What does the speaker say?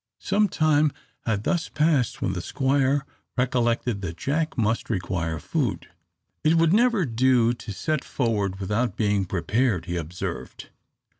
Some time had thus passed when the Squire recollected that Jack must require food. "It would never do to set forward without being prepared," he observed.